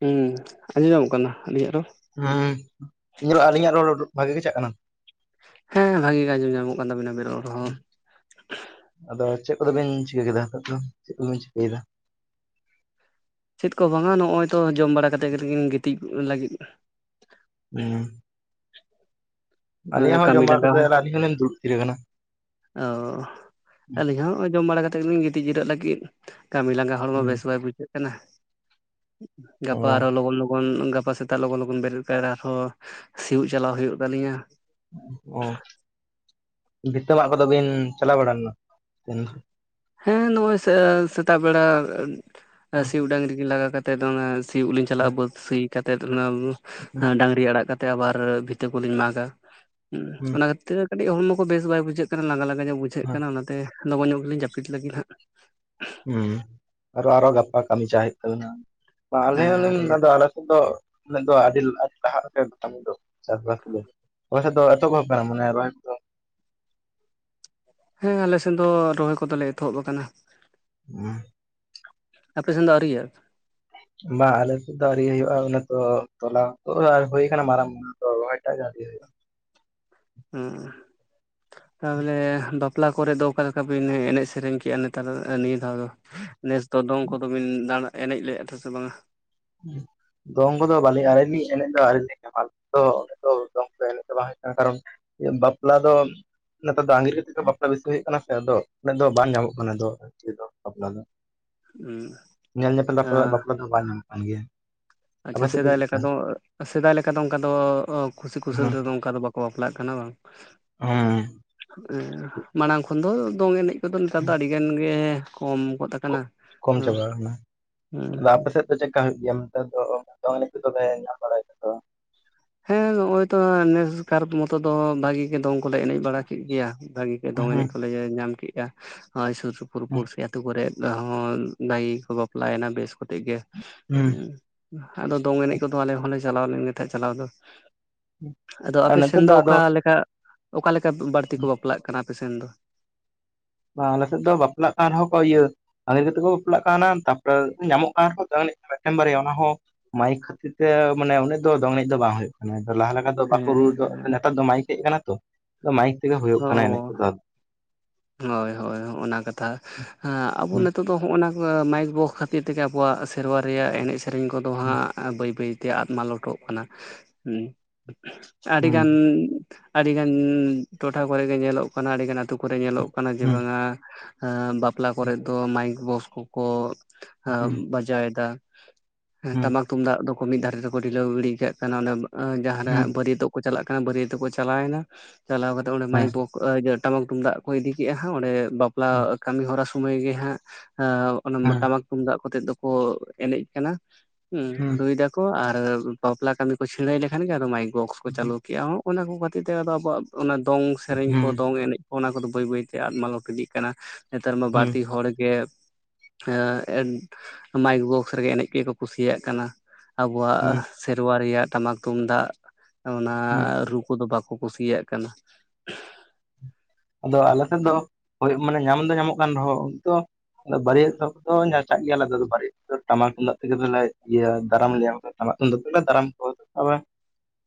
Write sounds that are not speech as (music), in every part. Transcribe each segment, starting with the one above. ᱦᱩᱸ ᱟᱸᱡᱚᱢ ᱧᱟᱢᱚᱜ ᱠᱟᱱᱟ᱾ ᱟᱹᱞᱤᱧᱟᱜ ᱨᱚᱲ ᱦᱩᱸᱻ (unintelligible) ᱟᱹᱞᱤᱧᱟᱜ ᱨᱚᱞ ᱩᱫᱩᱜ ᱵᱷᱟᱹᱜᱤ ᱜᱮ (unintelligible) ᱟᱠᱟᱱᱟ᱾ ᱦᱮᱸ ᱵᱷᱟᱹᱜᱤ ᱜᱮ ᱟᱸᱡᱚᱢ ᱧᱟᱢᱚᱜ ᱠᱟᱱ ᱛᱟᱵᱤᱱᱟ (unintelligible) ᱨᱚᱲ ᱦᱚᱸ᱾ ᱟᱫᱚ ᱪᱮᱫ ᱠᱚᱫᱚ ᱵᱮᱱ ᱪᱤᱠᱟᱹ ᱠᱮᱫᱟ? ᱱᱤᱛ ᱫᱚ ᱪᱮᱫ ᱠᱚᱵᱮᱱ ᱪᱤᱠᱟᱹᱭᱮᱫᱟ? ᱪᱮᱫ ᱠᱚ ᱵᱟᱝᱟ ᱱᱚᱜ-ᱚᱭ ᱛᱚ ᱡᱚᱢ ᱵᱟᱲᱟ ᱠᱟᱛᱮᱫ ᱜᱮᱠᱤᱱ ᱜᱤᱛᱤᱡ ᱞᱟᱹᱜᱤᱫ᱾ ᱩᱸ᱾ ᱟᱞᱮᱭᱟᱜ ᱦᱚᱸ ᱠᱟᱹᱢᱤ ᱡᱚᱢᱟ ᱞᱟᱸᱜᱟ ᱠᱟᱛᱮ ᱟᱹᱞᱤᱧ ᱦᱚᱞᱤᱧ ᱫᱩᱲᱵ ᱛᱷᱤᱨ ᱟᱠᱟᱱᱟ᱾ ᱚᱻ ᱟᱹᱞᱤᱧ ᱦᱚᱸ ᱡᱚᱢ ᱵᱟᱲᱟ ᱠᱟᱛᱮᱫ ᱜᱮᱞᱤᱧ ᱜᱤᱛᱤᱡ ᱡᱤᱨᱟᱹᱜ ᱞᱟᱹᱜᱤᱫ᱾ ᱠᱟᱹᱢᱤ ᱞᱟᱸᱜᱟ ᱦᱚᱲᱢᱚ ᱦᱩᱸ ᱵᱮᱥ ᱵᱟᱭ ᱵᱩᱡᱷᱟᱹᱜ ᱠᱟᱱᱟ ᱜᱟᱯᱟ ᱚ ᱟᱨᱚ ᱞᱚᱜᱚᱱ ᱞᱚᱜᱚᱱ ᱜᱟᱯᱟ ᱥᱮᱛ ᱛᱟ ᱞᱚᱜᱚᱱ ᱞᱚᱜᱚᱱ ᱵᱮᱨᱮᱫ ᱛᱟᱨᱟ ᱦᱚᱸ ᱥᱤᱭᱩᱜ ᱪᱟᱞᱟᱣ ᱦᱩᱭᱩᱜ ᱛᱟᱹᱟᱞᱤᱧᱟ᱾ ᱚ ᱵᱷᱤᱛᱟᱹ ᱢᱟᱸᱜ ᱠᱚᱫᱚ ᱵᱤᱱ ᱪᱟᱞᱟᱣ ᱵᱟᱲᱟ ᱞᱮᱱᱟ ᱛᱚ ᱫᱤᱱ ᱫᱚ? ᱦᱮᱸ ᱱᱚᱜ-ᱚᱭ ᱥᱮ ᱥᱮᱛᱟᱜ ᱵᱮᱲᱟ ᱥᱤᱭᱩᱜ ᱰᱟᱹᱝᱨᱤ ᱠᱤᱱ ᱞᱟᱜᱟ ᱠᱟᱛ ᱛᱮᱫᱚ ᱦᱩᱱᱟᱹ ᱥᱤᱭᱩᱜ ᱞᱤᱧ ᱪᱟᱞᱟᱜᱼᱟ᱾ ᱵᱟᱹᱫᱽ ᱥᱤ ᱠᱟᱛᱮ ᱚᱱᱟ, ᱰᱟᱝᱨᱤ ᱟᱲᱟᱜ ᱠᱟᱛᱮ ᱛᱮᱭᱟᱜ ᱵᱟᱨ ᱵᱷᱤᱛᱟᱹ ᱠᱚᱞᱤᱧ ᱢᱟᱜᱟ᱾ ᱦᱩᱸ ᱚᱱᱟ ᱠᱷᱟᱹᱛᱤᱨ ᱠᱟᱹᱴᱤᱡ ᱦᱚᱲᱢᱚ ᱠᱚ ᱵᱮᱥ ᱵᱟᱭ ᱵᱩᱡᱷᱟᱹᱜ ᱠᱟᱱᱟ᱾ ᱞᱟᱸᱜᱟ ᱞᱟᱸᱜᱟ ᱧᱚᱜ ᱵᱩᱡᱷᱟᱹᱜ ᱠᱟᱱᱟ᱾ ᱚᱱᱟᱛᱮ ᱞᱚᱜᱚᱱ ᱧᱚᱜ ᱞᱤᱧ ᱡᱟᱹᱯᱤᱫ ᱞᱟᱹᱜᱤᱫ ᱦᱟᱸᱜ᱾ ᱟᱨᱚ ᱟᱨᱚ ᱜᱟᱯᱟ ᱠᱟᱹᱢᱤ ᱪᱟ ᱦᱩᱭᱩᱜ ᱛᱟᱵᱮᱱᱟ᱾ ᱵᱟᱸ ᱟᱞᱮ ᱦᱚᱸᱞᱮ ᱦᱮᱸ ᱚᱱᱟ ᱨᱚᱦᱚᱭ ᱫᱚ ᱠᱚ ᱫᱚ ᱩᱱᱟᱹᱜ ᱫᱚ (unintelligible) ᱞᱟᱦᱟᱜ-ᱟ ᱠᱟᱹᱢᱤ ᱫᱚ᱾ ᱪᱟᱥᱵᱟᱥ (unintelligible) ᱣᱮᱭᱥᱮ ᱫᱚ ᱮᱛᱚᱦᱚᱵ ᱠᱟᱱᱟ ᱢᱟᱱᱮ (unintelligible) ᱦᱮᱸ ᱟᱞᱮᱥᱮᱫ ᱫᱚ ᱨᱚᱦᱚᱭ ᱠᱚᱫᱚᱞᱮ ᱮᱛᱚᱦᱚᱵ ᱟᱠᱟᱱᱟ᱾ ᱩᱸ᱾ ᱟᱯᱮ ᱥᱮᱱ ᱫᱚ ᱟᱹᱣᱨᱤᱭᱟᱹ? ᱵᱟᱝ ᱟᱞᱮ ᱥᱮᱫᱚ ᱟᱹᱣᱨᱤ ᱦᱩᱭᱩᱜᱼᱟ᱾ ᱩᱱ ᱚᱠᱛᱚ ᱛᱚᱞᱟ ᱠᱩ ᱦᱩᱭ ᱟᱠᱟᱱᱟ ᱢᱟᱨᱟᱝ ᱢᱟ ᱟᱫᱚ ᱨᱚᱦᱚᱭ ᱠᱟᱜ ᱡᱟᱦᱟᱛᱤᱥ ᱦᱩᱭᱩᱜᱼᱟ ᱦᱩᱸ (unintelligible) ᱵᱟᱯᱞᱟ ᱠᱚᱨᱮ ᱫᱚ ᱚᱠᱟ ᱞᱮᱠᱟ ᱵᱤᱱ ᱮᱱᱮᱡ ᱥᱮᱨᱮᱧ ᱠᱮᱫᱮᱜᱼᱟ ᱱᱮᱛᱟᱨ ᱱᱤᱭᱟᱹ ᱫᱷᱟᱣ ᱫᱚ? ᱱᱮᱥ ᱫᱚ ᱫᱚᱝ ᱠᱚᱫᱚ ᱵᱤᱱ ᱫᱟᱬ ᱮᱱᱮᱡ‌ ᱞᱮᱫᱼᱟ ᱛᱷᱮ ᱥᱮ ᱵᱟᱝ-ᱟ? ᱫᱚᱝ ᱠᱚᱫᱚ ᱵᱟᱞᱮ (unintelligible) ᱯᱩᱨᱟᱹ ᱫᱚᱝ ᱯᱮ ᱦᱮᱡ ᱪᱟᱵᱟ ᱦᱟᱠᱟᱫ-ᱟ᱾ ᱠᱟᱨᱚᱱ, ᱤᱭᱟᱹ ᱵᱟᱯᱞᱟ ᱫᱚ ᱱᱮᱛᱟᱨ ᱫᱚ ᱟᱸᱜᱤᱨ ᱠᱟᱛᱮ ᱜᱮ ᱵᱟᱯᱞᱟ ᱵᱤᱥᱤ ᱦᱩᱭᱩᱜ ᱠᱟᱱᱟ ᱥᱮ ᱱᱤᱛᱚᱜ᱾ ᱩᱱᱟᱹᱜ ᱫᱚ ᱵᱟᱝ ᱧᱟᱢᱚᱜ ᱠᱟᱱᱟ ᱫᱚ ᱱᱤᱛᱚᱜ ᱵᱟᱯᱞᱟ ᱫᱚ᱾ ᱦᱩᱸ ᱧᱮᱞ ᱧᱮᱯᱮᱞ ᱵᱟᱯᱞᱟᱜ ᱵᱟᱯᱞᱟ ᱵᱟᱭ ᱧᱟᱢᱚᱜ ᱠᱟᱱ ᱜᱮᱭᱟ᱾ ᱟᱯᱮ ᱟᱪᱪᱷᱟ ᱥᱮᱫ ᱥᱮᱫᱟᱭ ᱪᱮᱫᱠᱟ ᱞᱮᱠᱟ ᱦᱮᱸ ᱫᱚ, ᱥᱮᱫᱟᱭ ᱞᱮᱠᱟ ᱫᱚ ᱚᱝᱠᱟ ᱫᱚ ᱠᱩᱥᱤ ᱠᱩᱥᱟᱹᱞ ᱛᱮᱫᱚ ᱚᱝᱠᱟ ᱫᱚ ᱵᱟᱠ ᱠᱚ ᱵᱟᱯᱞᱟᱜ ᱠᱟᱱᱟ ᱵᱟᱝ? ᱦᱮᱸ ᱢᱟᱲᱟᱝ ᱠᱷᱚᱱ ᱫᱚ ᱫᱚᱝ ᱮᱱᱮᱡᱽ (unintelligible) ᱱᱮᱛᱟᱨ ᱫᱚ ᱟᱹᱰᱤ ᱜᱟᱱ ᱜᱮ ᱠᱚᱢ ᱜᱚᱫ ᱟᱠᱟᱱᱟ᱾ ᱠᱚ- ᱠᱚᱢ ᱦᱩᱸ ᱪᱟᱵᱟ ᱟᱠᱟᱱᱟ᱾ ᱦᱩᱸ ᱛᱟᱦᱞᱮ ᱟᱯᱮ ᱥᱮᱫ ᱫᱚ ᱪᱮᱠᱟ ᱟᱸᱴ ᱜᱮᱭᱟ ᱱᱮᱛᱟᱨ ᱫᱚ ᱫᱚᱝ ᱮᱱᱮᱡ ᱫᱚᱞᱮ ᱧᱟᱢ ᱵᱟᱲᱟ ᱦᱮᱸ ᱱᱚᱜᱼᱚᱭ ᱛᱚ ᱱᱮᱥ ᱠᱟᱨ ᱢᱚᱛᱚ ᱫᱚ ᱵᱷᱟᱹᱜᱤ ᱜᱮ ᱫᱚᱝ ᱠᱚᱞᱮ ᱮᱱᱮᱡ ᱵᱟᱲᱟ ᱠᱮᱫ ᱜᱮᱭᱟ᱾ ᱵᱷᱟᱹᱜᱤ ᱫᱚᱝ ᱮᱱᱮᱡ ᱦᱩᱸ ᱠᱚᱞᱮ ᱧᱟᱢ ᱠᱮᱫᱼᱟ᱾ ᱱᱚᱜ-ᱚᱭ ᱥᱩᱨ ᱥᱩᱯᱩᱨ ᱟᱹᱛᱩ ᱠᱚᱨᱮ᱾ ᱦᱚᱸ ᱫᱟᱭᱤ ᱠᱚ ᱵᱟᱯᱞᱟᱭᱮᱱᱟ ᱵᱮᱥ ᱠᱚᱛᱮ ᱜᱮ ᱦᱩᱸ᱾ ᱟᱫᱚ ᱫᱚᱝ ᱮᱱᱮᱡ ᱠᱚᱫᱚ ᱟᱞᱮ ᱦᱚᱸᱞᱮ ᱪᱟᱞᱟᱣ ᱞᱮᱱ ᱜᱮ ᱛᱟᱦᱮᱸᱫ ᱪᱟᱞᱟᱣ ᱫᱚ᱾ ᱦᱩᱸ ᱟᱫᱚ ᱟᱨ ᱟᱯᱮ ᱥᱮᱱ ᱱᱮᱛᱟᱨ ᱫᱚ ᱟᱫᱚ ᱚᱠᱟ ᱞᱮᱠᱟ, ᱚᱠᱟ ᱞᱮᱠᱟ ᱵᱟᱹᱲᱛᱤ ᱠᱚ ᱵᱟᱯᱞᱟᱜ ᱠᱟᱱᱟ ᱟᱯᱮ ᱥᱮᱱ ᱫᱚ? ᱵᱟᱸ ᱱᱤᱛᱚᱜ ᱫᱚ ᱵᱟᱯᱞᱟᱜ ᱠᱟᱱ ᱨᱮᱦᱚᱸ ᱠᱚ ᱤᱭᱟᱹ ᱟᱸᱜᱤᱨ ᱠᱟᱛᱮ ᱠᱚ ᱵᱟᱯᱞᱟᱜ ᱠᱟᱱᱟ᱾ ᱛᱟᱯᱚᱨ ᱧᱟᱢᱚᱜ ᱠᱟᱱᱟ ᱠᱚ ᱫᱚᱝ ᱮᱱᱮᱡ ᱠᱚ ᱢᱤᱫᱴᱟᱹᱝ ᱵᱟᱨᱭᱟ ᱚᱱᱟ ᱦᱚᱸ ᱢᱟᱭᱤᱠ ᱠᱷᱟᱹᱛᱤᱨ ᱛᱮ ᱢᱟᱱᱮ ᱩᱱᱟᱹᱜ ᱫᱚᱝ ᱮᱱᱮᱡ ᱫᱚ ᱵᱟᱝ ᱦᱩᱭᱩᱜ ᱠᱟᱱᱟ ᱞᱟᱦᱟ ᱞᱮᱠᱟᱛᱮ ᱵᱟᱠᱚ ᱨᱩ ᱦᱮᱸ ᱱᱮᱛᱟᱨ ᱫᱚ ᱢᱟᱭᱤᱠ ᱦᱮᱡ ᱟᱠᱟᱱᱟ ᱛᱚ ᱢᱟᱭᱤᱠ ᱛᱮᱜᱮ ᱦᱩᱭᱩᱜ ᱚ ᱠᱟᱱᱟ ᱮᱱᱮᱡ ᱠᱚᱫᱚ ᱟᱨᱠᱤ ᱦᱳᱭ ᱦᱳᱭ ᱦᱚᱜᱼ ᱚᱱᱟ ᱠᱟᱛᱷᱟ ᱟᱵᱚ ᱦᱩᱸ ᱱᱤᱛᱳ ᱫᱚ ᱦᱚᱜᱼᱚᱱᱟ ᱢᱟᱭᱤᱠ ᱵᱚᱠ ᱠᱷᱟᱹᱛᱤᱨ ᱛᱮᱜᱮ ᱟᱵᱚᱣᱟᱜ ᱥᱮᱨᱣᱟ ᱨᱮᱭᱟᱜ ᱮᱱᱮᱡ ᱥᱮᱨᱮᱧ ᱠᱚᱫᱚ ᱦᱩᱸ ᱦᱟᱸᱜ ᱵᱟᱹᱭ ᱵᱟᱹᱭ ᱛᱮ ᱟᱫ ᱢᱟᱞᱚᱴᱚᱜ ᱠᱟᱱᱟ ᱟᱹᱰᱤ ᱜᱟᱱ ᱟᱹᱰᱤᱜᱟᱱ ᱴᱚᱴᱷᱟ ᱠᱚᱨᱮ ᱜᱮ ᱧᱮᱞᱚᱜ ᱠᱟᱱᱟ ᱟᱹᱰᱤᱜᱟᱱ ᱟᱹᱛᱩ ᱠᱚᱨᱮᱜ ᱧᱮᱞᱚᱜ ᱠᱟᱱᱟ ᱡᱮ ᱦᱩᱸ ᱵᱟᱝᱟ ᱮᱜ ᱵᱟᱯᱞᱟ ᱠᱚᱨᱮᱜ ᱫᱚ ᱢᱟᱭᱤᱠ ᱵᱚᱥ ᱠᱚᱠᱚ ᱦᱩᱸ ᱵᱟᱡᱟᱣᱮᱫᱟ ᱮᱸ ᱦᱩᱸ ᱴᱟᱢᱟᱠ ᱛᱩᱢᱫᱟᱜ ᱫᱚ ᱢᱤᱫ ᱫᱷᱟᱨᱮ ᱛᱮᱠᱚ ᱰᱷᱤᱞᱟᱹᱣ ᱜᱤᱰᱤ ᱠᱟᱜ ᱠᱟᱱᱟ ᱡᱟᱦᱟᱸᱨᱮ ᱦᱩᱸ ᱵᱟᱹᱨᱭᱟᱹᱛᱚᱜ ᱪᱟᱞᱟᱜ ᱠᱟᱱᱟ ᱵᱟᱹᱨᱭᱟᱹᱛ ᱛᱮᱠᱚ ᱪᱟᱞᱟᱣᱮᱱᱟ ᱪᱟᱞᱟᱣ ᱠᱟᱛᱮ ᱚᱸᱰᱮ ᱦᱮᱸ ᱢᱟᱭᱤᱠ ᱴᱟᱢᱟᱠ ᱛᱩᱢᱫᱟᱜ ᱠᱚ ᱤᱫᱤ ᱼᱟ ᱦᱟᱜ ᱚᱸᱰᱮ ᱵᱟᱯᱞᱟ ᱠᱟᱹᱢᱤ ᱦᱚᱨᱟ ᱥᱩᱢᱟᱹᱭ ᱜᱮ ᱦᱟᱸᱜ ᱦᱮᱸ ᱴᱟᱢᱟᱠ ᱛᱩᱢᱫᱟᱜ ᱠᱚ ᱠᱟᱛᱮᱜ ᱫᱚ ᱠᱚ ᱮᱱᱮᱡ ᱠᱟᱱᱟ ᱦᱩᱸ ᱨᱩᱭᱫᱟ ᱟᱨ ᱵᱟᱯᱞᱟ ᱠᱟᱹᱢᱤ ᱠᱚ ᱪᱷᱤᱲᱟᱹᱣ ᱞᱮᱠᱷᱟᱱ ᱜᱮ ᱟᱫᱚ ᱢᱟᱭᱤᱠ ᱵᱚᱠᱥ ᱠᱚ ᱪᱟᱹᱞᱩ ᱠᱮᱜᱼᱟ ᱦᱚᱸ ᱚᱱᱟ ᱠᱚ ᱠᱷᱟᱹᱛᱤᱨ ᱛᱮ ᱟᱫᱚ ᱟᱵᱚᱣᱟᱜ ᱚᱱᱟ ᱫᱚᱝ ᱥᱮᱨᱮᱧ ᱠᱚ ᱦᱩᱸ ᱫᱚᱝ ᱮᱱᱮᱡ ᱠᱚ ᱚᱱᱟ ᱠᱚᱫᱚ ᱵᱟᱹᱭ ᱵᱟᱹᱭᱛᱮ ᱟᱫ ᱢᱟᱞᱚᱴ ᱤᱫᱤᱜ ᱠᱟᱱᱟ ᱱᱮᱛᱟᱨ ᱢᱟ ᱦᱩᱸ ᱦᱩᱸ ᱵᱟᱹᱲᱛᱤ ᱦᱚᱲᱜᱮ ᱢᱟᱭᱤᱠ ᱵᱚᱠᱥ ᱨᱮᱜᱮ ᱮᱱᱮᱡ ᱜᱮᱠᱚ ᱠᱩᱥᱤᱭᱟᱜ ᱠᱟᱱᱟ ᱟᱵᱚᱣᱟᱜ ᱦᱩᱸ ᱥᱮᱨᱣᱟ ᱨᱮᱭᱟᱜ ᱴᱟᱢᱟᱠ ᱛᱩᱢᱫᱟᱜ ᱚᱱᱟ ᱨᱩ ᱠᱚᱫᱚ ᱵᱟᱠᱚ ᱠᱩᱥᱤᱭᱟᱜ ᱠᱟᱱᱟ ᱟᱫᱚ ᱟᱞᱮ ᱥᱮᱫ ᱫᱚ ᱦᱳᱭ ᱢᱟᱱᱮ ᱧᱟᱢ ᱫᱚ ᱧᱟᱢᱚᱜ ᱠᱟᱱ ᱨᱮᱦᱚᱸ ᱟᱫᱚ ᱵᱟᱹᱨᱭᱟᱹᱛ ᱚᱠᱛᱚ ᱡᱟᱦᱟᱴᱟᱜ ᱜᱮ ᱟᱞᱮ ᱛᱮᱫᱚ ᱵᱟᱹᱨᱭᱟᱹᱛ ᱫᱚ ᱴᱟᱢᱟᱠ ᱛᱩᱢ ᱫᱟᱜ ᱛᱮᱜᱮ ᱞᱮ ᱤᱭᱟᱹ ᱫᱟᱨᱟᱢ ᱞᱮᱭᱟ ᱴᱟᱢᱟ ᱛᱩᱸᱢᱫᱟᱹᱜ ᱛᱮᱜᱮ ᱞᱮ ᱫᱟᱨᱟᱢ ᱠᱚᱣᱟ ᱛᱚᱵᱮ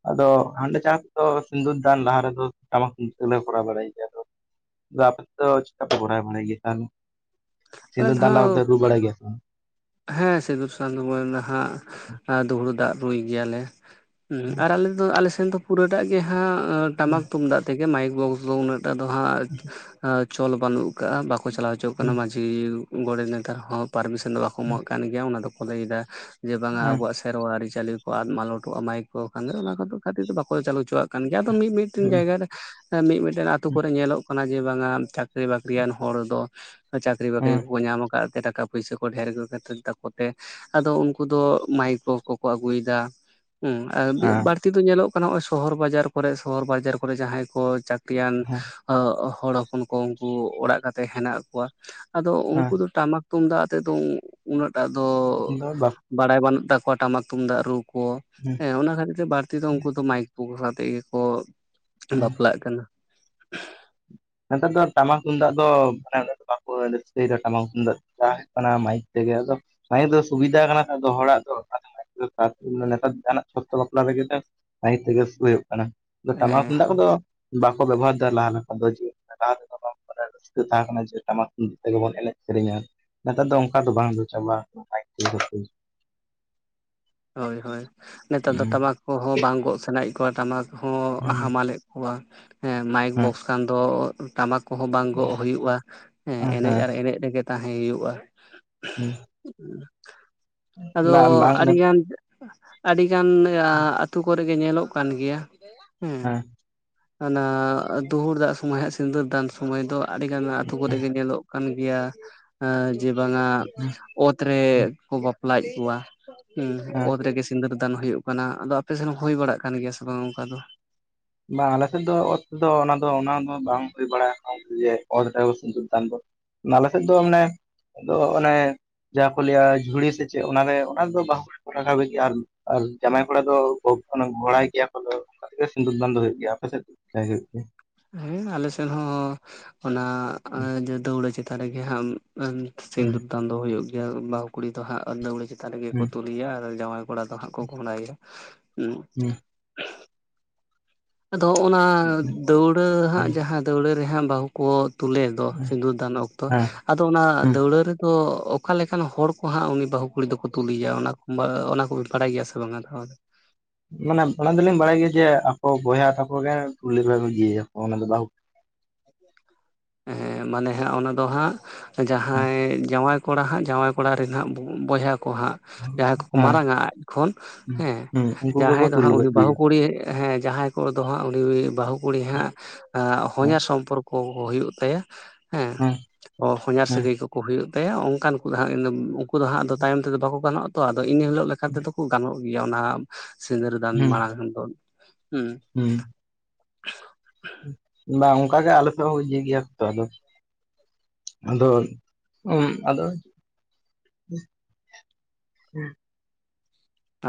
ᱟᱫᱚ ᱦᱟᱸᱰᱮ ᱪᱟᱥ ᱫᱚ ᱥᱤᱸᱫᱩᱨ ᱫᱟᱱ ᱞᱟᱦᱟ ᱨᱮᱫᱚ ᱴᱟᱢᱟᱠ ᱛᱮᱞᱮ ᱠᱚᱨᱟᱣ ᱵᱟᱲᱟᱭᱟ ᱟᱯᱮ ᱫᱚ ᱪᱮᱠᱟ ᱯᱮ ᱠᱚᱨᱟᱣ ᱵᱟᱲᱟᱭ ᱜᱮᱭᱟ ᱛᱟᱦᱞᱮ ᱟᱞᱮ ᱥᱤᱸᱫᱩᱨ ᱫᱚ ᱫᱟᱱ ᱞᱟᱦᱟᱨᱮ ᱦᱟᱸᱜ ᱨᱩ ᱵᱟᱲᱟᱭ ᱜᱮᱭᱟ ᱯᱮ ᱦᱮᱸ ᱥᱤᱫᱩᱨ ᱥᱟᱸᱫ ᱱᱟᱦᱟᱜ ᱫᱩᱦᱩᱲᱩ ᱫᱟᱜ ᱨᱩᱭ ᱜᱮᱭᱟᱞᱮ ᱦᱩ ᱟᱨ ᱟᱞᱮ ᱟᱫᱚ ᱟᱞᱮᱥᱮᱱ ᱫᱚ ᱯᱩᱨᱟᱹᱴᱟᱜ ᱜᱮ ᱦᱟᱸᱜ ᱦᱮᱸ ᱴᱟᱢᱟᱠ ᱛᱩᱢᱫᱟᱜ ᱛᱮᱜᱮ ᱢᱟᱭᱤᱠ ᱵᱚᱠᱥ ᱫᱚ ᱩᱱᱟᱹ ᱜ ᱴᱟᱜ ᱫᱚ ᱦᱟᱸᱜ ᱪᱚᱞ ᱵᱟᱹᱱᱩᱜ ᱟᱠᱟᱫᱼᱟ ᱵᱟᱠᱚ ᱪᱟᱞᱟᱣ ᱦᱚᱪᱚᱣᱟᱜ ᱠᱟᱱᱟ ᱦᱮᱸ ᱜᱚᱰᱮᱛ ᱱᱮᱛᱟᱨ ᱦᱚᱸ ᱯᱟᱨᱢᱤᱥᱚᱱ ᱫᱚ ᱵᱟᱠᱚ ᱮᱢᱟᱜ ᱠᱟᱱ ᱜᱮᱭᱟ ᱚᱱᱟ ᱫᱚᱠᱚ ᱞᱟᱹᱭ ᱮᱫᱟ ᱡᱮ ᱵᱟᱝ ᱟᱵᱚᱣᱟᱜ ᱥᱮᱨᱣᱟ ᱟᱹᱨᱤᱪᱟᱹᱞᱤ ᱠᱚ ᱟᱫ ᱢᱟᱞᱚᱴᱚᱜᱼᱟ ᱢᱟᱭᱤᱠ ᱠᱚ ᱠᱷᱟᱱ ᱫᱚ ᱚᱱᱟ ᱠᱚ ᱠᱷᱟᱹᱛᱤᱨ ᱛᱮ ᱵᱟᱠᱚ ᱪᱟᱹᱞᱩ ᱪᱚᱣᱟᱜ ᱠᱚ ᱠᱟᱱ ᱜᱮᱭᱟ ᱫᱚ ᱢᱤᱫ ᱢᱤᱫ ᱴᱮᱱ ᱦᱮᱸ ᱡᱟᱭᱜᱟ ᱨᱮ ᱢᱤᱫᱼᱢᱤᱫ ᱴᱮᱱ ᱟᱛᱳ ᱠᱚᱨᱮ ᱧᱮᱞᱚᱜ ᱠᱟᱱᱟ ᱡᱮ ᱵᱟᱝᱟ ᱪᱟᱠᱨᱤ ᱵᱟᱹᱠᱨᱤᱭᱟᱱ ᱦᱚᱲ ᱫᱚ ᱪᱟᱹᱠᱨᱤ ᱵᱟᱹᱠᱨᱤ ᱠᱚᱠᱚ ᱧᱟᱢ ᱟᱠᱟᱫ ᱛᱮ ᱴᱟᱠᱟ ᱯᱚᱭᱥᱟ ᱠᱚ ᱰᱷᱮᱨ ᱜᱮ ᱛᱟᱠᱚ ᱛᱮ ᱟᱫᱚ ᱩᱱᱠᱩ ᱫᱚ ᱢᱟᱭᱤᱠ ᱠᱚ ᱠᱚᱠᱚ ᱟᱹᱜᱩᱭᱮᱫᱟ ᱦᱩᱸ ᱟᱨ ᱦᱮᱸ ᱵᱟᱹᱲᱛᱤ ᱫᱚ ᱧᱮᱞᱚᱜ ᱠᱟᱱᱟ ᱱᱚᱜᱼᱚᱭ ᱥᱚᱦᱚᱨ ᱵᱟᱡᱟᱨ ᱠᱚᱨᱮ ᱥᱚᱦᱚᱨ ᱵᱟᱡᱟᱨ ᱠᱚᱨᱮ ᱡᱟᱦᱟᱸᱭ ᱠᱚ ᱛᱮᱭᱟᱱ ᱦᱚᱲ ᱦᱚᱯᱚᱱ ᱠᱚ ᱩᱱᱠᱩ ᱚᱲᱟᱜ ᱠᱟᱛᱮᱜ ᱦᱮᱱᱟᱜ ᱠᱚᱣᱟ ᱟᱫᱚ ᱦᱮᱸ ᱩᱱᱠᱩ ᱫᱚ ᱴᱟᱢᱟᱠ ᱛᱩᱢᱫᱟᱜ ᱟᱛᱮ ᱫᱚ ᱩᱱᱟᱹᱜ ᱴᱟᱜ ᱫᱚ ᱦᱮᱸ ᱟᱫᱚ ᱵᱟᱯ ᱵᱟᱲᱟᱭ ᱵᱟᱹᱱᱩᱜ ᱛᱟᱠᱚᱣᱟ ᱴᱟᱢᱟᱠ ᱛᱩᱢᱫᱟᱜ ᱨᱩ ᱠᱚ ᱦᱮᱸ ᱚᱱᱟ ᱠᱷᱟᱹᱛᱤᱨ ᱛᱮ ᱵᱟᱟᱹᱲᱛᱤ ᱫᱚ ᱩᱱᱠᱩ ᱫᱚ ᱢᱟᱭᱤᱠ ᱩᱠᱩ ᱥᱟᱣᱛᱮ ᱜᱮᱠᱚ ᱦᱮᱸ ᱵᱟᱯᱞᱟᱜ ᱠᱟᱱᱟ ᱱᱮᱛᱟᱨ ᱫᱚ ᱴᱟᱢᱟᱠ ᱛᱩᱢᱫᱟᱜ ᱫᱚ ᱢᱟᱱᱮ ᱫᱚ ᱵᱟᱝ ᱨᱟᱹᱥᱠᱟᱸ ᱫᱚ ᱴᱟᱢᱟ ᱛᱩᱢᱫᱟᱹᱜ ᱛᱮᱫᱚ ᱵᱟᱝ ᱦᱳᱭᱳᱜ ᱠᱟᱱᱟ ᱢᱟᱭᱤᱠ ᱛᱮᱜᱮ ᱟᱫᱚ ᱢᱮ ᱫᱚ ᱥᱩᱵᱤᱫᱟ ᱠᱟᱱᱟ ᱛᱚ ᱦᱚᱲᱟᱜ ᱫᱚ ᱱᱮᱛᱟᱨ ᱡᱟᱦᱟᱱᱟᱜ ᱛᱚ ᱵᱟᱯᱞᱟ ᱞᱟᱹᱜᱤᱫ ᱫᱚ ᱥᱟᱹᱦᱤ ᱛᱮᱜᱮ ᱦᱩᱭᱩᱜ ᱠᱟᱱᱟ ᱴᱟᱢᱟᱠ ᱦᱮᱸ ᱛᱩᱢᱫᱟᱜ ᱠᱚᱫᱚ ᱵᱟᱠᱚ ᱵᱮᱵᱚᱦᱟᱨ ᱮᱫᱟ ᱞᱟᱦᱟ ᱞᱮᱠᱟ ᱫᱚ ᱞᱟᱦᱟ ᱛᱮᱫᱚ ᱨᱟᱹᱥᱠᱟᱹ ᱛᱟᱦᱮᱸ ᱠᱟᱱᱟ ᱡᱮ ᱴᱟᱢᱟᱠ ᱛᱩᱢᱟᱹᱫ ᱛᱮᱜᱮ ᱵᱚᱱ ᱮᱱᱮᱡ ᱥᱮᱨᱮᱧᱟ ᱱᱮᱛᱟᱨ ᱫᱚ ᱚᱱᱠᱟ ᱫᱚ ᱵᱟᱝ ᱫᱚ ᱪᱟᱵᱟ (unintelligible) ᱦᱳᱭ ᱦᱳᱭ ᱱᱮᱛᱟᱨ ᱫᱚ ᱴᱟᱢᱟᱠ ᱠᱚᱦᱚᱸ ᱵᱟᱝ ᱜᱚᱜ ᱥᱟᱱᱟᱭᱮᱫ ᱠᱚᱣᱟ ᱴᱟᱢᱟᱠ ᱦᱚᱸ ᱦᱮᱸ ᱦᱟᱢᱟᱞᱮᱫ ᱢᱟᱭᱤᱠ ᱦᱮᱸ ᱵᱚᱠᱥ ᱠᱷᱟᱱ ᱫᱚ ᱴᱟᱢᱟᱠ ᱠᱚᱦᱚᱸ ᱵᱟᱝ ᱜᱚᱜ ᱦᱩᱭᱩᱜᱼᱟ ᱦᱮᱸ ᱮᱱᱮᱡ ᱟᱨ ᱮᱱᱮᱡ ᱨᱮᱜᱮ ᱛᱟᱦᱮᱸ ᱦᱩᱭᱩᱜᱼᱟ ᱦᱮᱸ ᱟᱫᱚ ᱵᱟᱝ ᱟᱹᱰᱤ ᱦᱮᱸ ᱜᱟᱱ ᱟᱹᱰᱤ ᱜᱟᱱ ᱟᱹᱛᱩ ᱠᱚᱨᱮ ᱜᱮ ᱧᱮᱞᱚᱜ ᱠᱟᱱ ᱜᱮᱭᱟ ᱦᱮᱸ ᱚᱱᱟ ᱫᱩᱦᱩᱲ ᱫᱟᱜ ᱥᱚᱢᱚᱭ ᱦᱟᱜ ᱥᱤᱸᱫᱩᱨ ᱫᱟᱱ ᱥᱚᱢᱚᱭ ᱫᱚ ᱟᱹᱰᱤᱜᱟᱱ ᱟᱹᱛᱩ ᱠᱚᱨᱮ ᱜᱮ ᱧᱮᱞᱚᱜ ᱜᱮᱭᱟ ᱡᱮ ᱵᱟᱝᱟ ᱚᱛ ᱨᱮ ᱠᱚ ᱵᱟᱯ ᱞᱟᱡ ᱠᱚᱣᱟ ᱚᱛ ᱨᱮᱜᱮ ᱥᱤᱸᱫᱽᱨᱟᱹ ᱫᱟᱱ ᱦᱳᱭᱳᱜ ᱠᱟᱱᱟ᱾ ᱟᱫᱚ ᱟᱯᱮ ᱥᱮᱱ ᱦᱚᱸ ᱦᱳᱭ ᱵᱟᱲᱟᱜ ᱠᱟᱱ ᱜᱮᱭᱟ ᱥᱮ ᱵᱟᱝ ᱚᱱᱠᱟ ᱫᱚ? ᱵᱟᱝ ᱟᱞᱮ ᱥᱮᱫ ᱫᱚ ᱚᱛ ᱛᱮᱫᱚ ᱚᱱᱟ ᱫᱚ ᱚᱱᱟ ᱫᱚ ᱵᱟᱝ ᱦᱳᱭ ᱵᱟᱲᱟ ᱠᱟᱱᱟ ᱥᱤᱸᱫᱩᱨ ᱥᱟᱱ ᱫᱚ᱾ ᱟᱞᱮ ᱥᱮᱫ ᱫᱚ ᱢᱟᱱᱮ, ᱟᱫᱚ ᱚᱱᱮ ᱡᱟᱦᱟᱸ ᱠᱚ ᱞᱟᱹᱭ-ᱟ ᱡᱷᱩᱲᱤ ᱥᱮ ᱪᱮᱫ ᱚᱱᱟ ᱨᱮᱫᱚ ᱚᱱᱟ ᱨᱮ ᱵᱟᱦᱩ ᱠᱩᱲᱤ (unintelligible) ᱟᱨ ᱡᱟᱢᱟᱭ ᱠᱚᱲᱟ ᱫᱚ ᱜᱷᱚᱲᱟᱭ ᱜᱮᱭᱟ ᱠᱚ ᱛᱚ᱾ ᱥᱤᱸᱫᱩᱨ ᱫᱟᱱ ᱫᱚ ᱦᱳᱭᱳᱜ ᱜᱮᱭᱟ᱾ ᱟᱯᱮ ᱥᱮᱫ ᱪᱮᱫ ᱠᱟ ᱦᱳᱭᱳᱜ ᱜᱮᱭᱟ᱾ ᱦᱮᱸ ᱟᱞᱮ ᱥᱮᱱ ᱦᱚᱸ, ᱚᱱᱟ ᱫᱟᱹᱣᱲᱟᱹ ᱪᱮᱛᱟᱱ ᱨᱮᱜᱮ ᱦᱟᱸᱜ ᱥᱤᱸᱫᱩᱨ ᱫᱟᱱ ᱫᱚ ᱦᱳᱭᱳᱜ ᱜᱮᱭᱟ ᱾ ᱵᱟᱹᱦᱩ ᱠᱩᱲᱤ ᱫᱚ ᱦᱟᱸᱜ ᱫᱟᱹᱣᱲᱟᱹ ᱪᱮᱛᱟᱱ ᱨᱮᱜᱮ ᱠᱚ ᱦᱮᱸ ᱛᱩᱞᱤᱭᱟ ᱟᱨ ᱡᱟᱶᱟᱭ ᱜᱷᱚᱲᱟ ᱫᱚ ᱦᱟᱸᱜ ᱠᱚ ᱜᱷᱚᱲᱟᱭ-ᱟ᱾ ᱩᱸ ᱟᱫᱚ ᱚᱱᱟ ᱫᱟᱹᱣᱲᱟᱹ ᱦᱟᱸᱜ ᱡᱟᱦᱟᱸ ᱫᱟᱹᱣᱲᱟᱹ ᱨᱮ ᱦᱟᱸᱜ ᱫᱚ ᱾ ᱠᱚ ᱛᱩᱞ ᱮᱫ ᱫᱚ᱾ ᱥᱤᱸᱫᱩᱨ ᱫᱟᱱ ᱚᱠᱛᱚ ᱦᱮᱸ ᱟᱫᱚ ᱚᱱᱟ ᱦᱩᱸ ᱫᱟᱹᱣᱲᱟᱹ ᱨᱮᱫᱚ ᱚᱠᱟ ᱞᱮᱠᱟᱱ ᱦᱚᱲ ᱠᱚ ᱦᱟᱸᱜ, ᱩᱱᱤ ᱵᱟᱹᱦᱩ ᱠᱩᱲᱤ ᱫᱚᱠᱚ ᱛᱩᱞᱮᱭᱟ? ᱚᱱᱟᱠᱚ ᱵᱟᱜ ᱚᱱᱟ ᱠᱚ ᱠᱚᱵᱤᱱ ᱵᱟᱲᱟᱭ ᱜᱮᱭᱟ ᱥᱮ ᱵᱟᱝ-ᱟ ᱫᱚ᱾ ᱢᱟᱱᱮ ᱵᱟᱲᱟᱭ ᱫᱚᱞᱤᱧ ᱵᱟᱲᱟᱭ ᱜᱮᱭᱟ ᱡᱮ, ᱟᱠᱚ ᱵᱚᱭᱦᱟ ᱛᱟᱠᱚ ᱜᱮ ᱛᱩᱞᱤ ᱵᱟᱭᱮ ᱟᱠᱚ, ᱚᱱᱟ ᱫᱚ ᱦᱮᱸ, ᱢᱟᱱᱮ ᱦᱟᱸᱜ ᱚᱱᱟ ᱫᱚ ᱦᱟᱸᱜ ᱦᱮᱸ ᱡᱟᱦᱟᱸᱭ ᱡᱟᱶᱟᱭ ᱠᱚᱲᱟ ᱦᱟᱸᱜ᱾ ᱡᱟᱶᱟᱭ ᱠᱚᱲᱟ ᱨᱮᱱ ᱦᱟᱸᱜ ᱵᱚᱭᱦᱟ ᱠᱚ ᱦᱟᱸᱜ᱾ ᱡᱟᱦᱟᱸᱭ ᱠᱚᱠᱚ ᱦᱮᱸ ᱢᱟᱨᱟᱝ ᱟ ᱟᱡ ᱠᱷᱚᱱ ᱦᱮᱸ, ᱦᱩᱸ ᱩᱱᱠᱩ ᱜᱮᱠᱚ ᱡᱟᱦᱟᱸᱭ ᱫᱚ ᱛᱩᱞ ᱦᱟᱸᱜ ᱜᱚᱫ ᱩᱱᱤ ᱵᱟᱹᱦᱩ ᱜᱮᱭᱟ ᱠᱩᱲᱤ ᱦᱮᱸ ᱡᱟᱦᱟᱸᱭ ᱠᱚᱫᱚ ᱦᱟᱸᱜ ᱩᱱᱤ ᱵᱟᱹᱦᱩ ᱠᱩᱲᱤ ᱦᱟᱸᱜ, ᱦᱮᱸ ᱦᱚᱧᱦᱟᱨ ᱥᱚᱢᱯᱚᱨᱠᱚ ᱠᱚ ᱦᱩᱭᱩᱜ ᱦᱩᱭᱩᱜ ᱛᱟᱭᱟ ᱦᱮᱸ, ᱦᱚᱧᱟᱨ ᱦᱮᱸ ᱥᱟᱹᱜᱟᱹᱭ ᱠᱚᱠᱚ ᱦᱩᱭᱩᱜ ᱛᱟᱭᱟ ᱚᱱᱠᱟᱱ ᱠᱚ ᱦᱟᱸᱜ ᱩᱱᱠᱩ ᱫᱚ ᱦᱟᱸᱜ ᱫᱚ ᱛᱟᱭᱚᱢ ᱛᱮᱫᱚ ᱵᱟᱠᱚ ᱜᱟᱱᱚᱜᱼᱟ ᱛᱚ᱾ ᱟᱫᱚ ᱤᱱᱟᱹ ᱦᱤᱞᱳᱜ ᱞᱮᱠᱟᱛᱮ ᱫᱚ ᱠᱚ ᱜᱟᱱᱚᱜ ᱜᱮᱭᱟ᱾ ᱚᱱᱟ ᱥᱤᱸᱫᱽᱨᱟᱹᱫᱟᱱ ᱦᱩᱸ ᱢᱟᱲᱟᱸᱜᱽ ᱠᱷᱚᱱ ᱫᱚ ᱾ᱦᱩᱸ ᱦᱩᱸ ᱵᱟᱝ ᱚᱱᱠᱟ ᱜᱮ ᱟᱞᱮ ᱥᱮᱫ ᱦᱚᱸ ᱤᱭᱟᱹᱭ ᱜᱮᱭᱟᱭ ᱜᱮ ᱛᱚ᱾ ᱟᱫᱚ ᱟᱫᱚ ᱩᱸᱜ ᱟᱫᱚ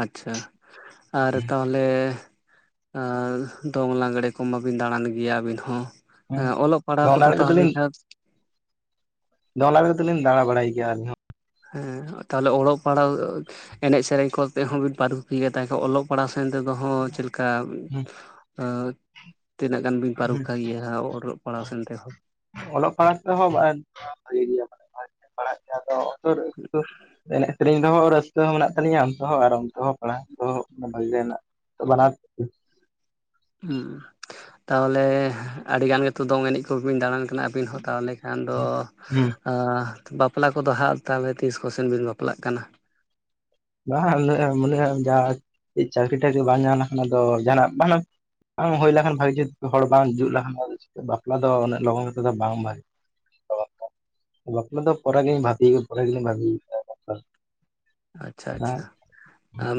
ᱟᱪᱷᱟ, ᱟᱨ ᱛᱟᱦᱞᱮ ᱟᱨ ᱫᱚᱝ ᱞᱟᱜᱽᱲᱮ ᱠᱚ ᱢᱟ ᱵᱤᱱ ᱫᱟᱬᱟᱱ ᱜᱮᱭᱟ ᱟᱵᱤᱱ ᱦᱚᱸ᱾ ᱦᱮᱸ, ᱚᱞᱚᱜ ᱯᱟᱲᱦᱟᱣ ᱫᱚᱝ ᱠᱚᱫᱚ ᱞᱟᱜᱽᱲᱮ ᱛᱟᱦᱚᱞᱮ ᱠᱚᱫᱚᱞᱤᱧ ᱠᱷᱟᱱ ᱫᱚᱝ, ᱞᱟᱜᱽᱲᱮ ᱫᱚᱞᱤᱧ ᱫᱟᱲᱟ ᱵᱟᱲᱟᱭ ᱜᱮᱭᱟ ᱟᱹᱞᱤᱧ ᱦᱚᱸ ᱾ ᱦᱮᱸ, ᱛᱟᱦᱚᱞᱮ ᱚᱲᱚᱜ ᱯᱟᱲᱦᱟᱣ ᱮᱱᱮᱡᱽ ᱥᱮᱨᱮᱧ ᱠᱚᱛᱮ ᱦᱚᱸ ᱵᱤᱱ ᱯᱟᱨᱩᱠᱷᱤᱭᱟᱹ ᱛᱟᱦᱮᱸ, ᱚᱞᱚᱜ ᱯᱟᱲᱦᱟᱣ ᱥᱮᱱ ᱛᱮᱫ ᱦᱚᱸ ᱪᱮᱫ ᱞᱮᱠᱟ᱾ ᱦᱩᱸ ᱟᱺᱻ ᱛᱤᱱᱟᱹᱜ ᱜᱟᱱ ᱵᱤᱱ ᱦᱩᱸ ᱯᱟᱹᱨᱩᱠᱷᱟ ᱜᱮᱭᱟ, ᱚᱲᱚᱜ ᱯᱟᱲᱦᱟᱣ ᱥᱮᱱ ᱛᱮᱦᱚᱸ? ᱚᱞᱚᱜ ᱯᱟᱲᱦᱟᱜ ᱛᱮᱦᱚᱸ (unintelligible) ᱵᱷᱟᱜ ᱜᱮᱭᱟ ᱵᱚ ᱾ ᱟᱫᱚ (unintelligible) ᱮᱱᱮᱡᱽ ᱥᱮᱨᱮᱧ ᱾ ᱚᱱᱛᱮ ᱦᱚᱸ ᱨᱟᱹᱥᱠᱟᱹ ᱦᱚᱸ ᱢᱮᱱᱟᱜ ᱛᱟᱞᱤᱧᱟ᱾ ᱚᱱᱛᱮ ᱦᱚᱸ ᱟᱨ ᱚᱱᱛᱮ ᱦᱚᱸ ᱯᱟᱲᱦᱟᱜ ᱛᱮᱦᱚᱸ ᱵᱷᱟᱜᱮ ᱜᱮ ᱦᱮᱱᱟᱜ, ᱛᱚ ᱵᱟᱱᱟᱨ ᱦᱩᱸ ᱛᱟᱦᱚᱞᱮ ᱟᱹᱰᱤ ᱜᱟᱱ ᱜᱮᱛᱚ ᱫᱚᱝ ᱮᱱᱮᱡᱽ ᱠᱚ ᱵᱤᱱ ᱫᱟᱬᱟᱱ ᱠᱟᱱᱟ᱾ ᱟᱵᱤᱱ ᱦᱚᱸ ᱛᱟᱦᱚᱞᱮ ᱠᱷᱟᱱ ᱫᱚ᱾ ᱦᱩᱸ ᱟ ᱵᱟᱯᱞᱟ ᱠᱚᱫᱚ ᱦᱟᱸᱜ ᱛᱟᱦᱚᱞᱮ ᱛᱤᱥ ᱠᱚ ᱥᱮ ᱵᱤᱱ ᱵᱟᱯᱞᱟᱜ ᱠᱟᱱᱟ? ᱵᱟᱝ, ᱡᱟᱦᱟᱸ (unintelligible) ᱪᱟᱹᱠᱨᱤ ᱴᱟᱠᱨᱤ ᱵᱟᱝ ᱧᱟᱢ ᱞᱮᱠᱷᱟᱱ ᱟᱫᱚ, ᱡᱟᱦᱟᱱᱟᱜ ᱵᱟᱝ ᱵᱟᱝ ᱦᱳᱭ ᱞᱮᱠᱷᱟᱱ ᱵᱷᱟᱜᱮ ᱡᱩᱛ ᱦᱚᱲ ᱵᱟᱝ ᱡᱩᱛ ᱞᱮᱠᱷᱟᱱ ᱵᱟᱯᱞᱟ ᱫᱚ ᱩᱱᱟᱹᱜ ᱞᱚᱜᱚᱱ ᱛᱮᱫ ᱫᱚ ᱵᱟᱝ ᱵᱷᱟᱜᱮᱭᱟ᱾ (unintelligible) ᱵᱟᱯᱞᱟ ᱫᱚ ᱯᱚᱨᱮ ᱜᱮᱧ ᱵᱷᱟᱵᱤ ᱠᱟᱫᱟ᱾ ᱯᱚᱨᱮ ᱜᱮ ᱞᱤᱧ ᱵᱷᱟᱵᱤ ᱠᱟᱫᱟ ᱟᱪᱷᱟ ᱟᱪᱷᱟ᱾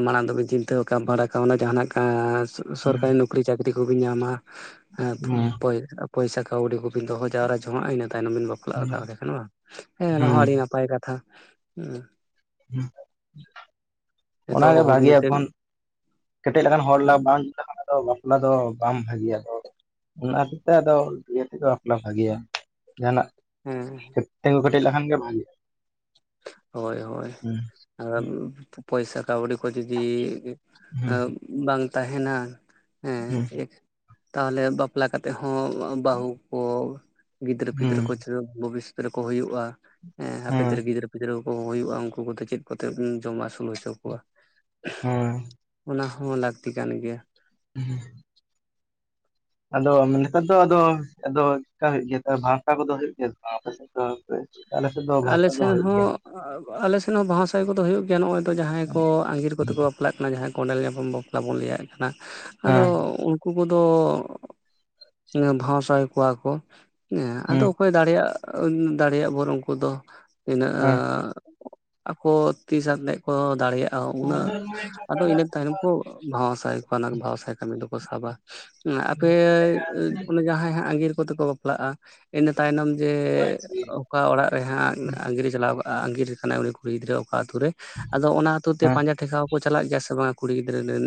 ᱢᱟᱲᱟᱝ ᱫᱚ ᱵᱤᱱ ᱪᱤᱱᱛᱟᱹ ᱰᱟᱲᱟ ᱠᱟᱜ ᱱᱟ, ᱡᱟᱦᱟᱱᱟᱜ ᱥᱚᱨᱠᱟᱨᱤ ᱱᱚᱠᱨᱤ ᱪᱟᱹᱠᱨᱤ ᱠᱚ ᱵᱤᱱ ᱧᱟᱢᱟ ᱦᱟᱜ ᱦᱮᱸ (unintelligible) ᱯᱚᱭᱥᱟ ᱠᱟᱹᱣᱰᱤ ᱠᱚ ᱵᱤᱱ ᱫᱚᱦᱚ ᱡᱟᱣᱨᱟ ᱡᱚᱝ ᱟᱜᱼᱟ ᱾ᱤᱱᱟ ᱛᱟᱭᱱᱚᱢ ᱵᱤᱱ ᱵᱟᱯ ᱚᱠᱟ ᱞᱮᱠᱟ ᱠᱟᱱᱟ ᱵᱟᱝ᱾ ᱦᱮᱸ ᱚᱱᱟ ᱦᱚᱸ ᱟᱹᱰᱤ ᱱᱟᱯᱟᱭ ᱠᱟᱛᱷᱟ ᱾ ᱦᱩᱸ ᱱᱤᱛᱚᱜ ᱚᱱᱟᱜᱮ ᱦᱩᱞ ᱵᱷᱟᱜᱮᱭᱟ ᱢᱤᱫᱴᱮᱱ ᱮᱠᱷᱚᱱ ᱠᱮᱴᱮᱡ ᱞᱮᱠᱟᱱ ᱦᱚᱲ ᱵᱟᱝ ᱞᱮᱠᱷᱟᱱ ᱫᱚ᱾ ᱵᱟᱯᱞᱟ ᱫᱚ ᱵᱟᱝ ᱵᱷᱟᱜᱮᱭᱟ ᱭᱟᱛᱚ᱾ ᱚᱱᱟ ᱦᱚᱛᱮᱛᱮ ᱟᱫ ᱤᱭᱟᱹ ᱛᱮᱫᱚ ᱵᱟᱯᱞᱟ ᱵᱷᱟᱜᱮᱭᱟ ᱾ ᱡᱟᱦᱟᱱᱟᱜ ᱦᱮᱸ ᱛᱮᱸᱜᱳ ᱠᱮᱴᱮᱡ ᱞᱮᱠᱷᱟᱱ ᱜᱮ ᱵᱷᱟᱜᱮᱼᱟ᱾ ᱦᱳᱭ ᱦᱳᱭ᱾ ᱟᱨ ᱯᱚᱭᱥᱟ ᱠᱟᱹᱣᱰᱤ ᱠᱚ ᱡᱩᱫᱤ ᱦᱮᱸ ᱮᱸ ᱵᱟᱝ ᱛᱟᱦᱮᱱᱟ᱾ ᱦᱮᱸ ᱛᱟᱦᱮᱞᱮ ᱵᱟᱯ ᱵᱟᱯᱞᱟ ᱠᱟᱛᱮ ᱦᱚᱸ ᱵᱟᱹᱦᱩ ᱠᱚ ᱜᱤᱫᱽᱨᱟᱹ ᱯᱤᱫᱽᱨᱟᱹ ᱠᱚ ᱪᱚ ᱵᱷᱚᱵᱤᱥᱚᱛ ᱨᱮᱠᱚ ᱦᱩᱭᱩᱜᱼᱟ ᱦᱟᱯᱮᱱ ᱦᱮᱸ ᱫᱤᱱ ᱜᱤᱫᱽᱨᱟᱹ ᱠᱚ ᱜᱤᱫᱽᱨᱟᱹ ᱠᱚ ᱦᱩᱭᱩᱜ-ᱟ, ᱩᱱᱠᱩ ᱠᱚᱫᱚ ᱪᱮᱫ ᱠᱚᱛᱮ ᱡᱚᱢᱟ ᱟᱹᱥᱩᱞ ᱦᱚᱪᱚ ᱠᱚᱣᱟ? ᱦᱮᱸ ᱚᱱᱟ ᱦᱚᱸ ᱞᱟᱹᱠᱛᱤ ᱠᱟᱱ ᱜᱮᱭᱟ᱾ ᱦᱩᱸᱻ ᱟᱫᱚ ᱱᱮᱛᱟᱨ ᱫᱚ ᱟᱫᱚ, ᱟᱫᱚ ᱪᱮᱫᱠᱟ ᱦᱩᱭᱩᱜ ᱜᱮᱭᱟ ᱦᱟᱨᱛᱟ ᱠᱚᱫᱚ ᱦᱩᱭᱩᱜ ᱜᱮᱭᱟ ᱥᱮ ᱵᱟᱝ ᱟᱯᱮ ᱥᱮᱫ ᱫᱚ? ᱟᱞᱮ ᱥᱮᱫ ᱫᱚ ᱟᱞᱮ ᱵᱷᱟᱥᱟ ᱫᱚ ᱮᱥᱱ ᱦᱩᱭᱩᱜ ᱦᱚᱸ ᱜᱮᱭᱟ ᱟᱞᱮ ᱥᱮᱱ ᱦᱚᱸ ᱵᱟᱦᱟ ᱥᱟᱭ ᱠᱚᱫᱚ ᱦᱩᱭᱩᱜ ᱜᱮᱭᱟ ᱱᱚᱜ ᱚᱭ ᱫᱚ ᱡᱟᱦᱟᱸᱭ ᱠᱚ ᱟᱸᱜᱤᱨ ᱠᱚᱛᱮ ᱠᱚ ᱵᱟᱯ ᱵᱟᱯᱞᱟᱜ ᱠᱟᱱᱟ ᱡᱟᱦᱟᱸᱭ ᱠᱚᱸᱰᱮᱞ ᱧᱟᱯᱟᱢ ᱵᱟᱯᱞᱟ ᱵᱚᱱ ᱞᱟᱹᱭᱟᱜ ᱠᱟᱱᱟ ᱟᱫᱚ ᱦᱮᱸ ᱩᱱᱠᱩ ᱠᱚᱫᱚ ᱵᱷᱟᱣᱟᱥᱟᱦᱟᱭ ᱠᱚᱣᱟ ᱠᱚ ᱦᱮᱸ ᱟᱫᱚ ᱚᱠᱚᱭ ᱫᱟᱲᱮᱭᱟᱜ, ᱫᱟᱲᱮᱭᱟᱜ ᱵᱚᱨᱚᱱ ᱠᱚᱫᱚ ᱦᱮᱸ ᱤᱱᱟᱹᱜ ᱟᱠᱚ ᱛᱤᱥᱟᱛᱮ ᱠᱚ ᱫᱟᱲᱮᱭᱟᱜ-ᱟ, ᱩᱱᱟᱹᱜ ᱟᱫᱚ ᱤᱱᱟᱹ ᱛᱟᱭᱱᱚᱢ ᱠᱩ ᱵᱷᱟᱶᱟᱥᱟᱭ ᱠᱷᱚᱱᱮᱜ ᱵᱷᱟᱶᱟᱥᱟᱭ ᱠᱟᱹᱢᱤ ᱫᱚᱠᱚ ᱥᱟᱵᱟ᱾ ᱟᱯᱮ ᱚᱱᱮ ᱡᱟᱦᱟᱸᱭ ᱦᱟᱸᱜ ᱟᱸᱜᱤᱨ ᱠᱚᱛᱮ ᱠᱚ ᱵᱟᱯᱞᱟᱜᱼᱟ ᱤᱱᱟᱹ ᱛᱟᱭᱱᱚᱢ ᱡᱮ ᱦᱮᱸ ᱚᱠᱟ ᱚᱲᱟᱜ ᱨᱮᱦᱟᱸᱜ ᱟᱸᱜᱤᱨᱮ ᱪᱟᱞᱟᱣᱼᱟ ᱟᱜᱤᱨ ᱟᱠᱟᱱᱟᱭ ᱩᱱᱤ ᱠᱩᱲᱤ ᱜᱤᱫᱽᱨᱟᱹ ᱚᱠᱟ ᱟᱹᱛᱩ ᱛᱮ ᱟᱫᱚ ᱚᱱᱟ ᱟᱛᱩ ᱛᱮ ᱯᱟᱸᱡᱟ ᱴᱷᱮᱥᱟᱣ ᱠᱚ ᱪᱟᱞᱟᱜ ᱜᱮᱭᱟ ᱥᱮ ᱵᱟᱝ ᱠᱩᱲᱤ ᱜᱤᱫᱽᱨᱟᱹ ᱨᱮᱱ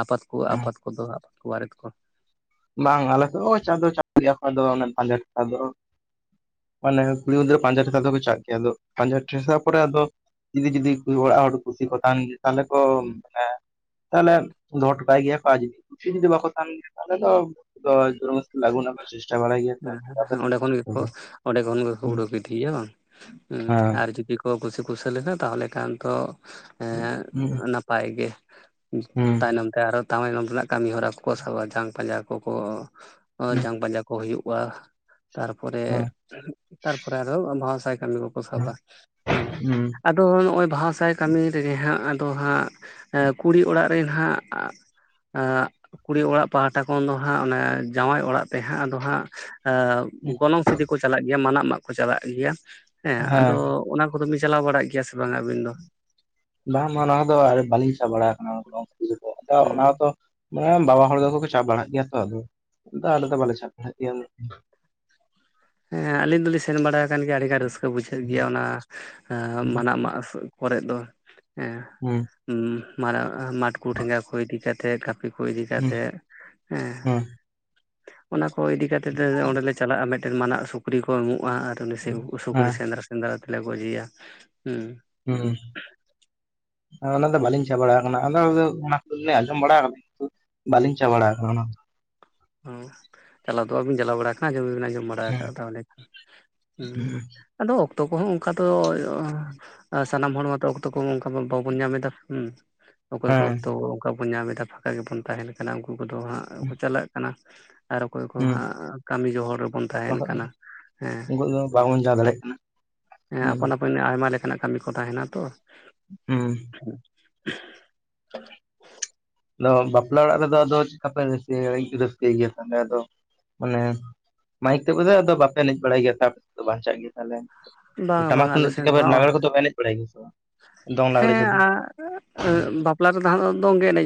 ᱟᱯᱟᱛ ᱠᱚ ᱟᱯᱟᱛ ᱠᱚ ᱫᱚᱦᱚ ᱟᱯᱟᱛ ᱠᱚ ᱵᱟᱨᱮᱛ ᱠᱚ᱾ ᱵᱟᱝ ᱟᱞᱮ ᱱᱚᱜᱚᱭ ᱪᱟᱥ ᱫᱚ ᱵᱟᱞᱮ ᱨᱟᱠᱟᱵ ᱫᱚᱦᱚ ᱢᱟᱱᱮ ᱠᱩᱲᱤ ᱜᱤᱫᱽᱨᱟᱹ ᱯᱟᱸᱡᱟ ᱫᱚᱠᱚ ᱪᱟᱜ ᱜᱮᱭᱟ, ᱟᱫᱚ ᱯᱟᱸᱡᱟ ᱴᱮ ᱟᱫᱚ ᱡᱩᱫᱤ ᱡᱩᱫᱤ ᱚᱲᱟᱜ ᱦᱚᱲ ᱠᱩᱥᱤ ᱠᱚ ᱛᱟᱦᱮᱱ ᱜᱮ ᱛᱟᱦᱚᱞᱮ ᱠᱚ ᱢᱟᱱᱮ ᱛᱟᱦᱚᱞᱮ ᱫᱚᱦᱚ ᱦᱚᱴᱚᱠᱟᱭ ᱜᱮᱭᱟ ᱠᱚ ᱡᱩᱫᱤ ᱥᱤᱢᱜᱮ ᱡᱩᱫᱤ ᱵᱟᱠᱚ ᱛᱟᱦᱮᱱ ᱜᱮᱭᱟ ᱛᱟᱦᱚᱞᱮ ᱫᱚ ᱡᱚᱢ ᱦᱮᱸ ᱚᱸᱰᱮ ᱪᱮᱫ ᱠᱷᱚᱱ ᱜᱮ ᱞᱮᱠᱟ ᱚᱸᱰᱮ ᱠᱷᱚᱱ ᱜᱮ ᱩᱰᱩᱠ ᱤᱫᱤᱭᱮᱭᱟ ᱵᱟᱝ ᱦᱩᱸ ᱦᱮᱸ ᱟᱨ ᱡᱩᱫᱤ ᱠᱚ ᱠᱩᱥᱤ ᱠᱩᱥᱟᱹᱞ ᱮᱱᱟ ᱛᱟᱦᱚᱞᱮ ᱠᱷᱟᱱ ᱫᱚ ᱮᱸᱜ ᱱᱟᱯᱟᱭ ᱜᱮ᱾ ᱦᱮᱸ ᱛᱟᱭᱱᱚᱢ ᱛᱮ ᱟᱨᱦᱚ ᱛᱟᱭᱱᱚᱢ ᱨᱮᱱᱟᱜ ᱠᱟᱹᱢᱤ ᱦᱚᱨᱟ ᱠᱚ ᱥᱟᱵᱟ ᱡᱟᱝ ᱯᱟᱸᱡᱟ ᱠᱚᱠᱚ ᱟ ᱡᱟᱝ ᱯᱟᱡᱟ ᱠᱚ ᱦᱩᱭᱩᱜᱼᱟ᱾ ᱦᱮᱸ ᱛᱟᱨᱯᱚᱨᱮ, ᱛᱟᱨᱯᱚᱨᱮ ᱟᱨᱦᱚᱸ ᱵᱟᱦᱟ ᱥᱟᱭ ᱠᱟᱹᱢᱤ ᱠᱚᱠᱚ ᱥᱟᱵᱟ᱾ᱦᱩᱸ ᱦᱮᱸ ᱟᱫᱚ ᱱᱚᱜ-ᱚᱭ ᱵᱟᱦᱟ ᱥᱟᱭ ᱠᱟᱹᱢᱤ ᱨᱮᱜᱮ ᱦᱟᱸᱜ ᱟᱫᱚ ᱦᱟᱸᱜ ᱠᱩᱲᱤ ᱚᱲᱟᱜ ᱮᱱ ᱦᱟᱸᱜ ᱟᱸᱜ ᱠᱩᱲᱤ ᱚᱲᱟᱜ ᱯᱟᱦᱴᱟ ᱠᱷᱚᱱ ᱫᱚ ᱦᱟᱸᱜ ᱚᱱᱮ ᱡᱟᱶᱟᱭ ᱚᱲᱟᱜ ᱛᱮ ᱦᱟᱸᱜ ᱟᱫᱚ ᱦᱟᱸᱜ, ᱜᱚᱱᱚᱝ ᱥᱤᱫᱤ ᱠᱚ ᱪᱟᱞᱟᱜ ᱜᱮᱭᱟ ᱢᱟᱱᱟᱜ ᱢᱟ ᱠᱚ ᱠᱚ ᱪᱟᱞᱟᱜ ᱜᱮᱭᱟ ᱦᱮᱸ ᱟᱫᱚ ᱚᱱᱟ ᱠᱚᱫᱚ ᱵᱤᱱ ᱪᱟᱞᱟᱣ ᱵᱟᱲᱟᱜ ᱜᱮᱭᱟ ᱥᱮ ᱵᱟᱝ ᱟᱹᱵᱤᱱ ᱫᱚ? ᱵᱟᱝ ᱱᱚᱣᱟ ᱫᱚ ᱵᱟᱹᱞᱤᱧ ᱥᱟᱵ ᱵᱟᱲᱟ ᱟᱠᱟᱱᱟ ᱜᱚᱲ (inaudible) ᱟᱫᱚ ᱦᱮᱸ ᱚᱱᱟ ᱫᱚ ᱱᱚᱜ-ᱚᱭ ᱵᱟᱵᱟ ᱦᱚᱲ ᱫᱚᱠᱚ ᱠᱚ ᱪᱟᱜ ᱵᱟᱲᱟᱜ ᱜᱮᱭᱟ ᱛᱚ, ᱟᱞᱮ ᱫᱚ ᱩᱱᱟᱹᱜ ᱵᱟᱞᱮ ᱪᱟᱜ ᱵᱟᱲᱟᱜ ᱜᱮᱭᱟ᱾ ᱦᱮᱸ ᱟᱹᱞᱤᱧ ᱫᱚᱞᱤᱧ ᱥᱮᱱ ᱵᱟᱲᱟ ᱟᱠᱟᱱ ᱜᱮᱭᱟ ᱟᱹᱰᱤᱜᱟᱱ ᱨᱟᱹᱥᱠᱟᱹ ᱵᱩᱡᱷᱟᱹᱜ ᱜᱮᱭᱟ ᱚᱱᱟ ᱢᱟᱱᱟ ᱢᱟ ᱠᱚᱨᱮ ᱫᱚ ᱮᱸ ᱦᱩᱸ ᱩᱸ ᱢᱟᱨᱟ ᱢᱟᱴᱷ ᱠᱚᱴᱷᱮ ᱡᱟᱦᱟᱭ ᱠᱚ ᱤᱫᱤ ᱠᱟᱛᱮᱜ ᱤ ᱠᱚ ᱤᱫᱤ ᱦᱩᱸ ᱠᱟᱛᱮ ᱦᱮᱸ ᱦᱩᱸ ᱚᱱᱟ ᱠᱚ ᱤᱫᱤ ᱠᱟᱛᱮ ᱚᱸᱰᱮᱞᱮ ᱪᱟᱞᱟᱜ-ᱟ ᱢᱤᱫᱴᱮᱱ ᱢᱟᱱᱟᱜ ᱥᱩᱠᱨᱤ ᱠᱚ ᱮᱢᱚᱜ-ᱟ ᱟᱨ ᱩᱱᱤ ᱥᱩᱠᱨᱤ ᱦᱮᱸ ᱥᱮᱱᱫᱽᱨᱟᱥ ᱥᱮᱸᱫᱽᱨᱟ ᱛᱮᱞᱮ ᱜᱚᱡᱷᱤᱭᱟ, ᱦᱩᱸ ᱦᱩᱸ᱾ ᱚᱱᱟ ᱫᱚ ᱵᱟᱹᱞᱤᱧ ᱪᱟ ᱵᱟᱲᱟ ᱟᱠᱟᱱᱟ, ᱟᱫᱚ ᱚᱱᱟ ᱠᱚᱞᱤᱧ ᱟᱸᱡᱚᱢ ᱵᱟᱲᱟ ᱠᱟᱫᱟ, ᱠᱤᱱᱛᱩ ᱵᱟᱟᱹᱞᱤᱧ ᱪᱟᱵᱟᱲᱟ ᱚ ᱪᱟᱞᱟᱣ ᱫᱚᱼᱟᱵᱤᱱ ᱪᱟᱞᱟᱣ ᱵᱟᱲᱟ ᱟᱠᱟᱱᱟ ᱟᱸᱡᱚᱢ ᱫᱚᱵᱤᱱ ᱟᱸᱡᱚᱢ ᱵᱟᱲᱟ ᱦᱮᱸ ᱟᱠᱟᱫ ᱛᱟᱦᱚᱞᱮ ᱩᱸᱢ ᱟᱫᱚ ᱚᱠᱛᱚ ᱠᱚᱦᱚᱸ ᱚᱱᱠᱟ ᱫᱚ ᱥᱟᱱᱟᱢ ᱦᱚᱲ ᱢᱟᱛᱚ ᱚᱠᱛᱚ ᱠᱚ ᱚᱱᱠᱟ ᱵᱟᱵᱚᱱ ᱧᱟᱢ ᱮᱫᱟ ᱦᱩᱸ ᱚᱠᱚᱭ ᱠᱚ ᱦᱮᱸ ᱚᱠᱛᱚ ᱚᱱᱠᱟ ᱵᱚᱱ ᱧᱟᱢ ᱮᱫᱟ, ᱯᱷᱟᱸᱠᱟ ᱜᱮᱵᱚᱱ ᱛᱟᱦᱮᱱ ᱠᱟᱱᱟ, ᱩᱱᱠᱩ ᱠᱚᱫᱚ ᱦᱟᱸᱜ ᱠᱚ ᱪᱟᱞᱟᱜ ᱠᱟᱱᱟ᱾ ᱟᱨ ᱚᱠᱚᱭ ᱠᱚ ᱦᱩᱸ ᱦᱟᱸᱜ ᱠᱟᱹᱢᱤ ᱡᱚᱦᱚᱲ ᱨᱮᱵᱚᱱ ᱛᱟᱦᱮᱱ ᱵᱟᱠᱷᱟᱡ ᱠᱟᱱᱟ ᱦᱮᱸ ᱩᱱᱠᱩ ᱫᱚ ᱵᱟᱵᱚᱱ ᱪᱟ ᱫᱟᱲᱮᱭᱟᱜ ᱠᱟᱱᱟ ᱟᱯᱟᱱ ᱟᱯᱤᱱ ᱦᱩᱸ ᱟᱭᱢᱟ ᱞᱮᱠᱟᱱᱟᱜ ᱠᱟᱹᱢᱤ ᱠᱚ ᱛᱟᱦᱮᱱᱟ ᱛᱚ᱾ ᱦᱩᱸ᱾ (unintelligible) ᱟᱫᱚ ᱵᱟᱯᱞᱟ ᱚᱲᱟᱜ ᱨᱮᱫᱚ ᱟᱫᱚ ᱪᱮᱠᱟ ᱯᱮ ᱤᱭᱟᱹ ᱨᱟᱹᱥᱠᱟᱹ ᱤᱭᱟᱹ ᱚᱸᱰᱮ ᱫᱚ ᱢᱟᱱᱮ ᱢᱟᱭᱤᱠ ᱛᱮ ᱛᱚᱵᱮ ᱟᱫᱚ ᱵᱟᱯᱮ ᱮᱱᱮᱡ ᱵᱟᱲᱟᱭ ᱜᱮᱭᱟ ᱛᱟ ᱵᱟᱧᱪᱟᱜ ᱜᱮ ᱛᱟᱞᱮ ᱵᱟᱝ ᱴᱟᱢᱟᱠ ᱵᱟᱝ ᱟᱞᱮ ᱛᱩᱫᱟᱹᱜ ᱥᱮᱱ ᱫᱚ ᱪᱮᱠᱟᱵᱟᱫ ᱦᱟᱸᱜ ᱱᱟᱜᱽᱨᱮ ᱠᱚᱫᱚ ᱯᱮ ᱱᱮᱡ ᱵᱟᱲᱟᱭ ᱜᱮᱭᱟ ᱥᱮ ᱵᱟᱝ ᱫᱚᱝ ᱞᱟᱜᱽᱲᱮ ᱦᱮᱸ ᱠᱚᱫᱚ? ᱟᱨ ᱟ ᱟᱹᱨ ᱵᱟᱯᱞᱟ ᱨᱮᱫᱚ ᱦᱟᱸᱜ ᱫᱚᱝ ᱜᱮ ᱮᱱᱮᱡ